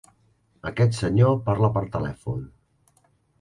Aquest senyor parla per telèfon